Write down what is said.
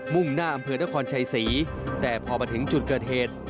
่งหน้าอำเภอนครชัยศรีแต่พอมาถึงจุดเกิดเหตุ